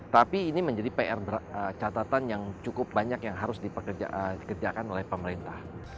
tapi ini menjadi pr catatan yang cukup banyak yang harus dikerjakan oleh pemerintah